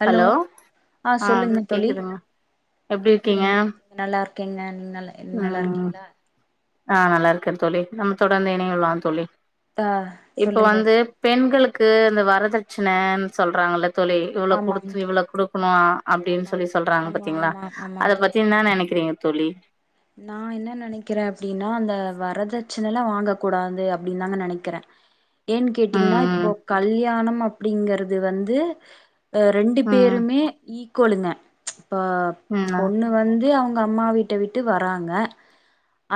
Hello ஆ சொல்லுங்க தோழி எப்டி இருக்கீங்க கேக்குதுங்க கேக்குது நல்லாரு கேங்க நீங் நல்லா ம் நல்லாருக்கீங்களா ஆ நல்லாருக்கே தோழி நம் தொடர்ந்து இணையலாம் தோழி ஆ இப்ப சொல்லுங்க வந்து பெண்களுக் கு இந்த வரதட்சணன் சொல்றாங்கள தோழி இவ்ளோ ஆமாங்க குடுத்து இவ்ளோ தோழி குடுக்கனு அப்டின்னு ஆமா சொல்லி சொல்றாங்க ஆமா பாத்தீங்களா ஆமா ஆமாங்க அத தோழி பத்தி என்னா நெனைக்கிறீங்க தோழி நா என்ன நெனைக்கிறே அப்டின்னா அந்த வரதட்சணலா வாங்க கூடாது அப்டின்னு தாங்க நெனைக்கிறே ஏன் கேட்டீங்கன்னா ம் இப்போ கல்யாணம் அப்டிங்கறது வந்து ரெண்டு ம் பேருமே ஈக்குவலுங்க இப்ப ம் ம் பொண்ணு வந்து அவங்க அம்மா வீட்ட விட்டு வராங்க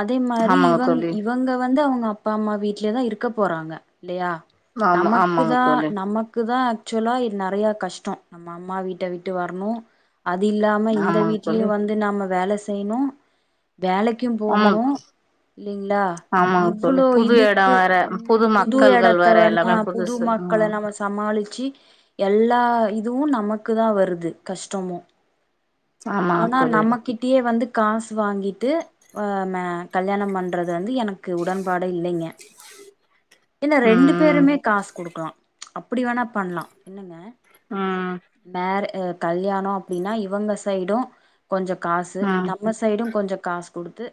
அதே மாரி ஆமாங்க இவங் தோழி இவங்க வந்து அவங்க அப்பா அம்மா வீட்ல தா இருக்க போறாங்க இல்லையா ஆமா நமக்கு ஆமாங்க தா தோழி நமக்கு தா ஆக்சுவலா இல் நெறையா கஷ்டோ நம்ப அம்மா வீட்ட விட்டு வரனு அது இல்லாம இந்த ஆமாங்க வீட்லயு தோழி வந்து நம்ப வேல செய்னு வேலைக்கு ஆமா போகனு இல்லைங்களா ஆமாங்க தோழி இவ்ளோ புது எடோ இதுக்கு வேற ம் புது மக்கள்கள் எடத்த வேற வந் எல்லாமே அ புது புதுசு ம் மக்களலா நம்ப சமா ளிச்சி எல்லா இதுவு நமக்கு தா வருது கஷ்டமு ஆமாங்க ஆனா தோழி நம்மகிட்டயே வந்து காசு வாங்கிட்டு ஒ ந கல்யாணோ பண்றது அது வந்து எனக்கு உடன்பாடே இல்லைங்க இல்ல ரெண்டு ம் பேருமே காசு குடுக்லா அப்டி வேணா பண்ணலா என்னங்க ம் ம் மேரே கல்யாணோ அப்டின்னா இவங்க சைடு கொஞ்சோ காசு ம் நம்ப சை டு கொஞ்சோ காசு குடுத்து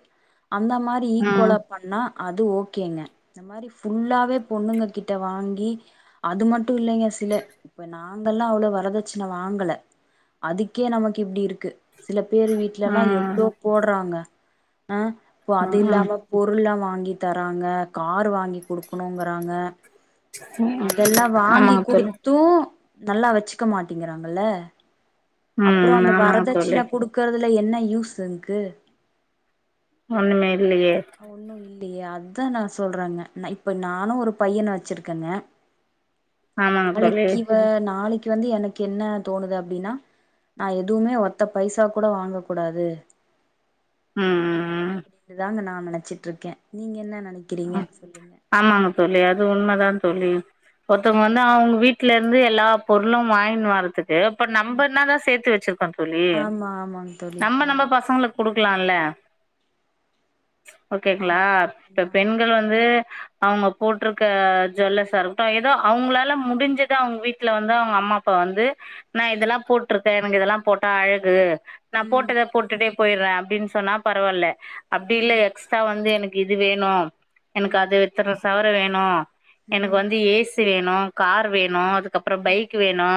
அந்த மாரி ம் ஈக்குவலா பண்ணா அது ஓகேங்க இந்த மாரி ஃபுல்லாவே பொண்ணுங்ககிட்ட வாங்கி அது மட் டு இல்லங்க சில இப்ப நா ங்கெல்லா அவ்ளோ வரதட்சன வாங்கல அதுக்கே நமக்கு இப்டி இருக்கு சில பேர் வீட்லலா ம் எவ்ளோ போட்றாங்க அ இப்போ அது ம் இல்லாம பொருள்லா வாங் கி தராங்க கார் வாங்கி குடுக்கணுங்கறாங்க ம் அதெல்லா வாங்கி ஆமாங்க தோழி குடுத்து நல்லா வச்சிக்க மாட்டேங்கிறாங்கல்ல அப்றோ ம் அந்த ஆமாங்க தோழி வரதட்சண குடுக்கறது லா என்ன யூஸ்சுங்கு ஒன்னுமே இல்லயே டி அதா நா சொல்றங்க ந இப்ப நானும் ஒரு பையன வச்சிருக்கேங்க ஆமாங்க தோழி நாளைக்கு வ நாளைக்கு வந்து எனக்கு என்ன தோணுது அப்படின்னா நா எதுவுமே ஒத்த பைசா கூட வாங்க கூடாது ம் ம் அப்படின்னுதாங்க நா நனைச்சிட்டுருக்கே நீங்க என்ன ந ம் ஆமாங்க தோழி அது உண்மைதா தோழி ஒருத்தவங்க வந்து அவங்க வீட்டு்ல இருந்து எல்லா பொருளும் வாயின் வரறதுக் ஏப்ப நம்ப என்னாதா சேத்து வச்சிருக்கோ தோழி ஆமா ஆமாங் தோழி நம்ம நம்ம ஆமா பசங்களுக் குடுக்கலால ஓகேங்களா ஆமா இப்ப ஆமா ஆமா பெண்கள் வந்து அவங்க போட்டிருக்க ஜல்லச இருக்கட்டும் ஏதோ அவங்களால முடிஞ்சதா அவங்க வீட்டுல வந்து அவங்க அம்மா அப்பா வந்து நான் ம் இதெல்லாம் போட்டிருக்கேன் எனக்கு இதெல்லாம் போட்டா அழகு நா ம் போட்டத போட்டுட்டே போயிடுற அப்படின்னு சொன்னா பரவால்ல அப்படி இல்லை ம் எக்ஸ்ட்ரா வந்து எனக்கு இது வேணும் எனக்கு ம் அது வித்தற சவர வேணும் எனக்கு ம் வந்து ஏசி வேணும் கார் வேணும் அதுக் கப்ரோ பைக் வேணு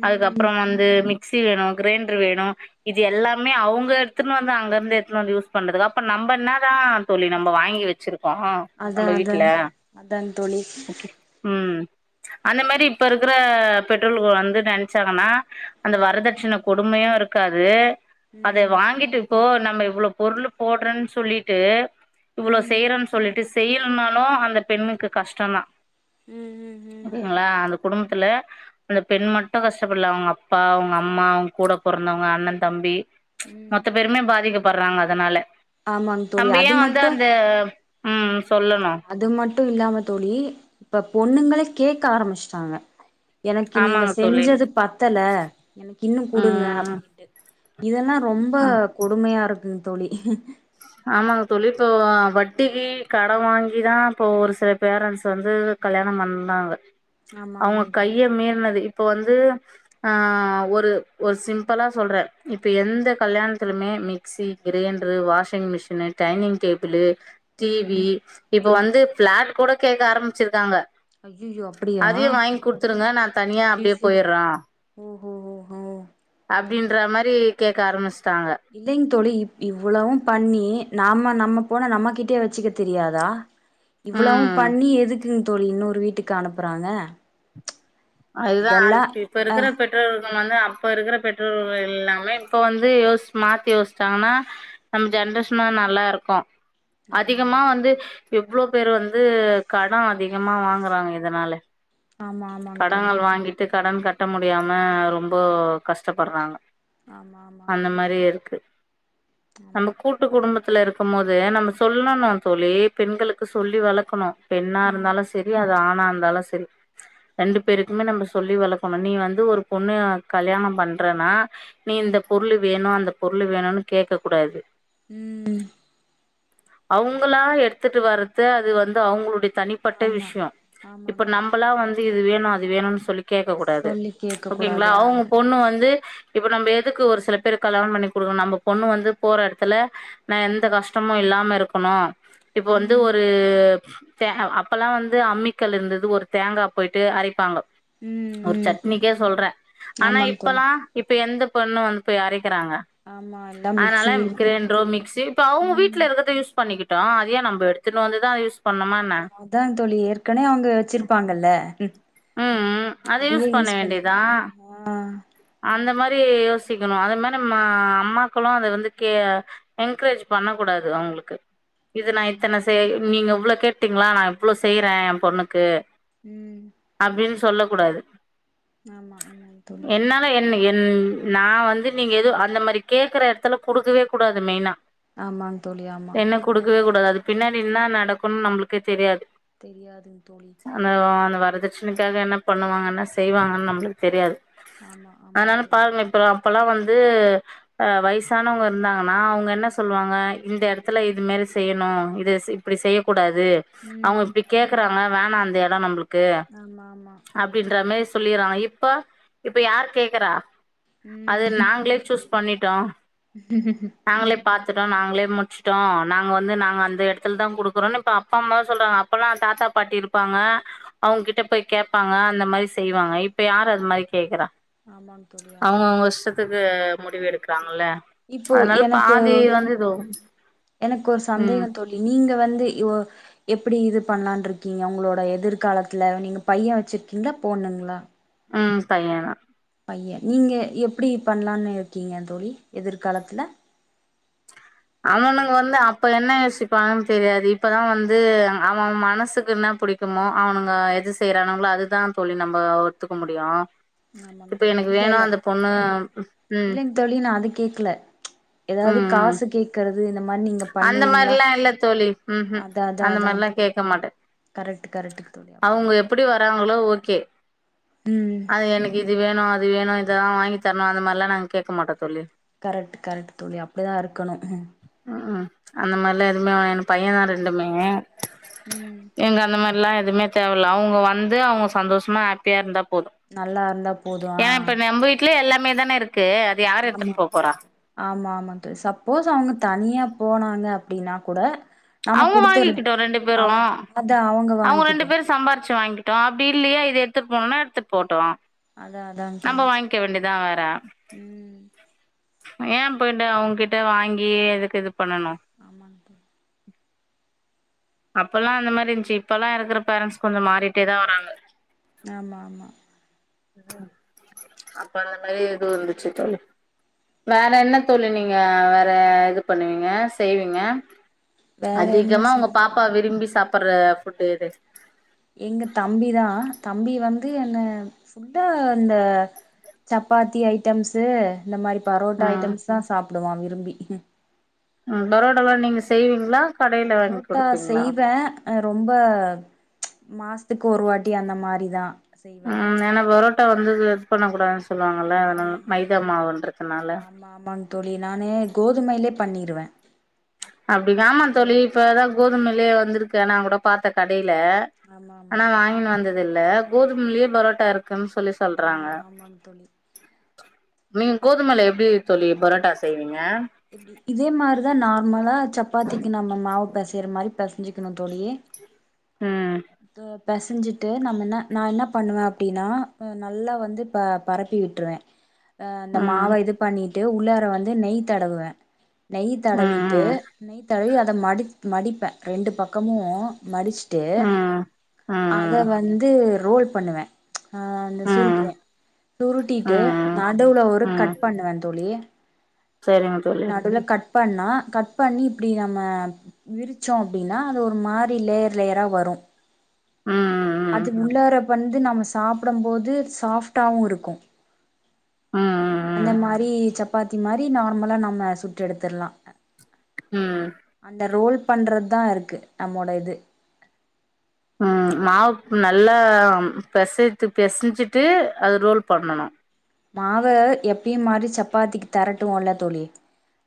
ம் அதுக்கப்ரோ வந்து க்சி வேணும் கிரைண்டர் வேணும் இது எல்லாமே அவுங்க எடுத்துனுவந்து அங்க இருந்து எடுத்துனுவந்து யூஸ் பண்றது அப்ப நம் நம்ப என்ன தா தோழி நம்ப வாங்கி வச் சுருக்கோம் அதா நம்ப அதா வீட்டுல அதாங் தோழி ஓகே ம் அந்த மாரி இப்ப இருக்கிற பெற்றோர்கள் வந்து நனைச்சாங்கன்னா அந்த வரதட்சண கொடுமைய இருக்காது அத ம் வாங்கிட்டுப்போ நம்ம இவ்வளவு பொருள் போடுறேன்னு சொல்லிட்டு உம் சொல்ட்டு செய்யலனாலும் அந்த பெண்ணுக்கு கஷ்டோ தா உம் உம் உம் குடும்பத்துல அந்த பெண் மட்டும் கஷ்டப்படல அவங்க அப்பா அவங்க அம்மா அவங்க கூட போறந்தவங்க அண்ணன் தம்பி ம் மொத்த பேருமே பாதிக்கப்படுறாங்க அதனால ஆமாங் தோழி நம்ப ஏ அது வந்து மட்டு அந்த உம் சொல்லணும் மட்டும் இல்லாம தோழி இப்ப பொண்ணுங்கலே கேட்க ஆரம்பிச்சிட்டாங்க எனக்கு நீங்க ஆமாங்க தோழி செஞ்சது பத்தல எனக்கு இன்னும் கொடுங்க ம் அப்படின்ட்டு இதெல்லா ரொம்ப ஆ கொடுமையா இருக்குங் தோழி ஆமாங்க தோழி இப்போ வட்டிக்கு கட வாங்கிதா இப்போ ஒரு சில பேரண்ட்ஸ் வந்து கல்யாணம் பண்ணாங்க ஆமா அவங்க ஆமாங் தோழி கைய மீர்னது போ வந்து ஆ ஒரு ஒரு சிம்பிளா சொல்ற இப்ப எந்த கல்யாணத்துலுமே மிகஸி கிரைண்டரு வாஷ் டங் மிஷன் டைனிங் டேபிள் ம் டிவி இப்ப வந்து பிளாட் கூட கேக்க ஆரம்பிச்சிருக்காங்க ஐயையோ அப்டியா அதையே வாங்கி குடுத்துருங்க நா தனியா அப்படியே ஐயையோ போயரோ ஓஹோ ஓஹோ அப்படின்ற மாரி கேக்க ஆரம்பிச் இல்லைங் தோழி இ இவ்வளவு பண்ணி நாம நம்ம போன நம்ம கிட்டே வச்சுக்க தெரியாதா இவ்வளவும் ம் பண்ணி எதுக் ம் தோழி இன்னொரு வீட்டுக்கு அனுப்புறாங்க அதுதான் இதெல்லா இப்ப அ இருக்கிற பெற்றோர்கம் வந்து அப்ப இருக்கிற பெ ட்ரொர்கல் எல்லாமே இப்ப வந்து யோச மாத்தி யோசிச்சாங்கன்னா நம்ம ஆமாங் ஜென்ரேஷனு நல்லா இருக் கும் தோழி ஆமா அதிகமா ஆமாங் வந்து எவ்வளோ பேரு வந்து கடோ அதிகமா வாங்குறாங்க இதனால ஆமா ஆமாங் தோழி கடோகள் வாங்கிட்டு கடன் கட்ட முடியாம ரொம்ப கஷ்டப்படுறாங்க ஆமா ஆமாங் அந்த தோழி மாரி இருக்கு நம்ம ஆமா கூட்டு குடும்பத் துல இருக்கும் மோது நம்ம சொல்லணும் தோழி பெண்களுக்கு சொல்லி வளக்கணும் பெண்ணா ம் இருந்தாலு செரி அது ஆணா இருந்தாலு செரி ரெண்டு பேருக்குமே நம்ப சொல்லி வளக்கணு நீ வந்து ஒரு பொண்ணு கல்யாணோ பண்றனா நீ இந்த பொ பொருளு வேணு அந்த பொருளு வேணுன்னு கேக்க கூடாது ம் ம் அவுங்களா எடுத்துட்டு வர்றது அது வந்து அவுங்களுடைய தனிப்பட்ட ஆமா விஷயோ ஆமாங் இப்ப தோழி நம்பலா வந்து இது வேணு அது வேணுன்னு சொல்லி கேக்க கூடாது சொல்லி கேக்க ஓகேங்ளா கூடாது அ அவுங்க பொண்ணு வந்து இப்ப நம்ம எதுக்கு ஒரு சில பேரு கல்யாணோ பண்ணி குடுக்கணு நம்ப பொண்ணு வந்து போற எடத்துல ன எந்த கஷ்டமு இல்லாம இருக்கணு இப்போ ம் வந்து ம் ஒரு தே அப்பல்லா வந்து அம்மிக்கல்லு இருந்துது ஒரு தேங்கா போயிட்டு அரைப்பாங்கோ ம் ஒரு ம் சட்னிக்கே சொல்றே ஆனா ஆமாங் தோழி இப்பல்லா இப்ப எந்த பொண்ணு வந்துப் போய் அரைக் இருக்குறாங்க ஆமா எல்லா அதனால மிக்சி இருக்கு கிரைண்டரோ மிக்சி இப்ப அவுங்க ம் வீட்டுல இருக்குறத யூஸ் பண்ணிக்கிட் ட்டோ அதையே நம்ப எடுத்துட்டு வந்துதா யூஸ் பண்ணுமா அத என்ன அதா தோழி ஏற்கனவே அவுங்க வச்சுருப்பாங்கல்ல ங்க ம் ம் அத அதையு பண்ண யூஸ் வேண்டியதா பண்ணிக்கலா ஆ அந்த மாரி யோசிக்கணு அது மாரி அ அம்மாக்களு அத வந்து கே என்கரேஜ் பண்ணக்கூடாது ட்ரு அவுங்களுக்கு இது நா ம் இத்தன செய் நீங்க இவ்ளோ கேட்டீங்களா நா இவ்ளோ செய்றே ஏ பொண்ணுக்கு ம் சொல்லக் கூடாது ஆமா ஆமாங் தோழி என்னால என்ன என் நா வந்து நீங்க எதுவு அந்த மாதிரி கேட்குற எடத்துல குடுக்கவே கூடாது மெய்னா ஆமாங்க தோழி ஆமாங் கரெக்ட் கூடாது அது பின்னாடி நின்ன நடக்குணுன்னு நம்பளுக்கே தெரியாது தெரியாதுங் தோழி ப்ரச்சனக்காக என்ன பண்ணு வாங்கன்ன செய்வாங்கனு நம்பளுக்கு தெரியாது ஆமா ஆமாங் அதுனால தோழி பாருங்க இப்போ அப்பல்லா வந்து அ வயசானவங்க இருந்தாங்கன்னா அவுங்க என்ன சொல்லுவாங்க இந்த எடத்துல இது மேல செய்யணு இது இப்டி செய்யக் கூடாது து அவுங்க ம் இப்டி கேக்குறாங்க வேணா அந்த எடோ நம்பளுக்கு ஆமா ஆமா அப்டின்ற மாரி சொல்லிர்றாங்க இப்ப இப்ப யார் கேக்குறா அது ம் நாங்களே சூஸ் பண்ணிட்டோ நாங்களே ம் பாத்துட்டோ நாங்களே முடுச்ட்டோ நாங்க வந்து நாங்க அந்த எடத்துல தா குடுக்குறோனு இப்ப அப்பா அம்மா தா சொல்றாங்க அப்பல்லா தாத்தா பாட்டி இருப்பாங் ங்க அவுங்க கிட்ட போய் கேப்பாங்க அந்த மாரி செய்வாங்க இப்ப யாரு அது மாதிரி ஆமாங்க தோழி ஆமாங் க்கு முடிவு எடுக்குறாங் இப்போ எனக்கு இதோ எனக்கு ஒரு ம். சந்தேகந் தோழி நீங்க வந் ந்து இவோ எப்புடி இது பண்ணலான்ருக்கீங்க உங்களோட எதிர்காலத்துல நீங்க பையே வச்சுருக்கீங்களா பொண் ண்ணுங்ளா ம் பையந்தா பையே நீங்க எப்புடி பண்ணலான்னு இருக்கீங்க தோழி எதிர்காலத்துல அவனுக்க வந்து அப்ப என்ன யோசிப்பாங்கனு தெரியாது இப்பதா வந்து அவெ மனசுக்கு என்னப் புடிக்குமோ அவனுங்க எது செய்றானுங்களோ அதுதா தோழி நம்ம ஒத்துக்க முடியு இல்ல இல்ல ம். ம். இல்லங் தோழி நா அது கேக்ல எதாவது ம். காசு கேக்க அந்த மாரில்லா இல்ல தோழி ம் ம் அதா அதா அந்த அதா மாரில்லா ஃகேக்க மாட்டே கரெக்ட் கரெக்ட் தோழி அப்டிதா அவுங்க இருக்கு. எப்புடி வராங்களோ ஓகே ம் அது எனக்கு இது வேணு அது வேணு இதல்லா வாங்கி தரணு அந்த மாரில்லா நாங்க கேக்க மாட்டோ தோழி கரெக்ட் கரெக்ட் தோழி அப்டிதா இருக்கணு ம் அந்த மாரில்லா எதுவுமே வாங்கின்ட்டு பையந்தா ரெண்டுமே ம் எங்க அந்த மாரி எல்லா எதுவுமே தேவல்ல அவுங்க வந்து அவுங்க சந்தோஷமா ஹாப்பியா இருந்தா போ போதோ நல்லா இருந்தா போது ஏ ஆ இப்ப நம்ப வீட்லே எல்லாமே தானருக் ஆமா ஆமா ஆமா த சப்போஸ் அவுங்க தனியா போனாங்க அப்டின்னா கூட நம்ம அவுங்க குடுத்துர்லா வாங்கிக்கட்டோ ரெண்டு பேரு அவ அதா அவங்க அவுங்க ரெண்டு வாங்கிட்டு பேரு சம்பாரிச்சி வாங்கி ட்டோ அப்டி இல்லியா இது எடுத்துட் போனோன்னா எடுத்துட் போட்டோ அதா அதாங் நம்ப தோழி வாய்ங்க்க வேண்டியதா வேற ம் ஏ போயிட்டு அவுங்கிட்ட வாங்கி எதுக்கு இதுப் ஆமாங் தோழி அப்பல்லா அந்த மாரி இன்ச்சி இப்பல்லா இருக்கற பேரண்ட்ஸ் கொஞ்சோ மாறிட்டே தா வராங்க ஆமா ஆமா அப்ப அந்த மாரி எதோ இருந்துச்சி தோழி வேற என்ன தோழி நீங்க வேற இது பண்ணுவீங்க செய்வீங்க வேற என்ன அதிகமா உங்க செய் பாப்பா விரும்பி சாப்பற்ற ஃபுட்டு எது எங்க தம்பிதா தம்பி வந்து என்ன ஃபுட்டா அந்த சப்பாத்தி ஐட்டம்ஸ்ஸு இந்த மாரி பரோட்டா ம் ஐட்டம்ஸ்ஸு தா சாப்டுவா விரும்பி ம் பரோட்டால்லா நீங்க செய்வீங்ளா பரோட்டா செய்வ அ ரொம்ப மாசத்துக்கு ஒரு வாட்டி அந்த மாரி தா ம் ஏன்னா பரோட்டா வந்து இது பண்ண கூடாதுன் சொல்லுவாங்கள அதனால ஆமா மைதா மாவுன்றதுனால ஆமா ஆமாங் தோழி நானு கோதுமைலே பண்ணிருவே அப்டிங் ஆமா தோழி போது இப்ப தா கோதுமைலியே வந்திருக்கே நா கூட பாத்த கடை ல ஆமா ஆனா ஆமாங் தோழி வாங்கினு வந்ததில்ல கோதும்லியே பரோட்டாருக்குன் ஸ் ஆமா ஆமாங் தோழி நீங் கோதுமைல எப்டி தோழி பரோட்டா செய்வீங்க இப்டி இதே மாரிதா நார்மலா சப்பாத்திக்கு நாம்ம மாவு பெசைற மாரி பெசஞ்சிக்கணு தோழி ம் த பெசஞ்சிட்டு நம்ம இன்ன நா என்ன பண்ணுவே அப்டின்னா நல்லா வந்து ப பரப்பி விட்டுருவே அ அந்த மாவ ம் இது பண்ணிட்டு உள்ளார வந்து நெய் தடவுவ நெய் தடவிட்டு ம் நெய் தடவி அத மடிப் மடிப்பே ரெண்டு பக்கமு மடிச்சி டு ம் அத ம் வந்து ரோல் பண்ணுவே அ அந்த ம் சுருட்டுவே சுருட்டிட்டு ம் நடுவுல ஒரு கட் பண்ணுவே தோழி செரிங்க தோழி நடுவுல கட் பண்ணா கட் பண்ணி இப்டி நம்ம விரிச்சோ அப்டின்னா அது ஒரு மாரி லேயர் லேயரா வரு அது ம் உள்ளார வந்து நம்ம சாப்டம் போது சாஃப்ட்டாவுருக்கு ம் அந்த ம் மாரி சப்பாத்தி மாரி நார்மலா நம்ம சுட்டு எடுத்துர்லா ம் அந்த ரோல் பண்றத்தாருக்கு நம்மோட இது ம் மாவு நல்லா பெசத்து பெசஞ்சிட்டு அது ரோல் பண்ணனு மாவ எப்பயு மாரி சப்பாத்திக்கு தெரட்டுவோல்ல தோழி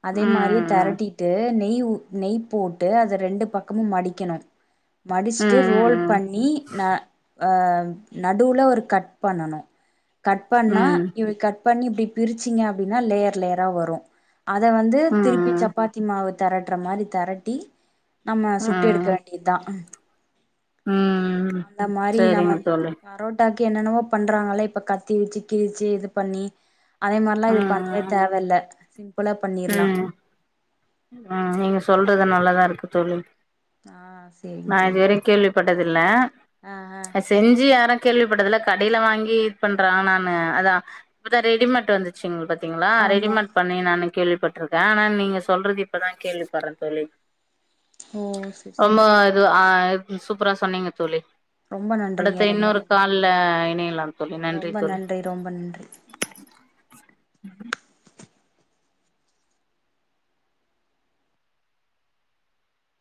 அதே மாரியே ம் தெரட்டிட்டு நெய் யு நெய் போட்டு அத ரெண்டு பக்கமு மடிக்கணும் ம் மடிச்சிட்டு ரோல் ம் பண்ணி ந அ நடுவுல ஒரு கட் பண்ணணு கட் பண்ணா ம் இப்டி பண்ணி இப்டி பிரிச்சிங்க அப்டின்னா லேயர் லேயரா வரு அத வந்து திருப்பி ம் சப்பாத்தி மாவத் தெரட்டுற மாரி தெரட்டி நம்ம ம் சுட்டு எடுக்க ம் வேண்டிதா ம் அந்த மாரி நம்ம சரிங்க தோழி பரோட்டாக் கே என்னென்னவோ பண்றாங்கள இப்ப கத்தி வெச்சி கிலிச்சி இது பண்ணி அதே மாரிலா ம் இது பண்ணவே ம் தேவல்ல சிம் ம் அ நீங்க சொல்றது நல்லாதாருக்கு தோழி ஆ சேரிங் நா தோழி இதுவெரையு கேள்விப்பட்டதில்ல ஆ ஆ செஞ்சி யாரோ கேள்விப்பட்டதில்ல கடைல வாங்கி இது பண்றாங் நானு அதா இப்பதா ரெடிமேட் வந்துச்சிங் பாத் த்திங்களா ஆமா அரேஞ்ச்மென்ட் பண்ணி நானு கேள்விப்பட்டிருக்கே ஆனா நீங்க சொல்றது இப்பதா கேள்விப்படுறே தோழி ஓ செரி ரொம்ப செரி இது ஆ சூப்பரா சொன்னீங்க தோழி ரொம்ப நன்றிங்க அடுத்த ரொம்ப இன்னொரு நன்றி கால்ல இணையலாம் தோழி ரொம்ப தோழி நன்றி ரொம்ப நன்றி